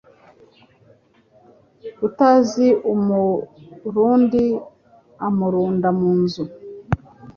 Utazi umurundi amurunda mu nzu